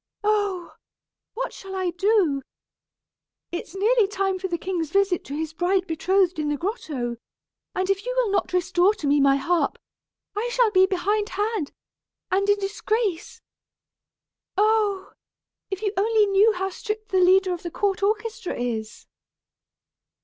Oh! what shall I do? It's nearly time for the king's visit to his bride betrothed in the grotto; and if you will not restore to me my harp, I shall be behind hand, and in disgrace. Oh! if you only knew how strict the leader of the court orchestra is!"